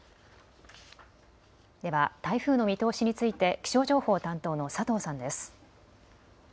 では、台風の見通しについて、気象情報担当の佐藤さんです。